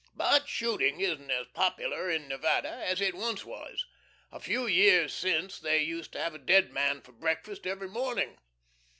But shooting isn't as popular in Nevada as it once was. A few years since they used to have a dead man for breakfast every morning.